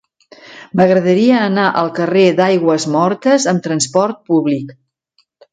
M'agradaria anar al carrer d'Aigüesmortes amb trasport públic.